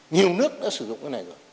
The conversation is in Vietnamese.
nhiều nước đã sử dụng cái này rồi